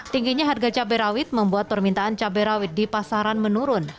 tingginya harga cabai rawit membuat permintaan cabai rawit di pasaran menurun